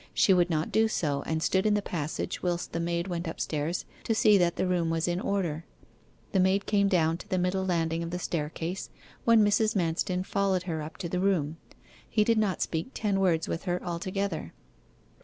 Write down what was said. She would not do so, and stood in the passage whilst the maid went upstairs to see that the room was in order. The maid came down to the middle landing of the staircase, when Mrs. Manston followed her up to the room. He did not speak ten words with her altogether.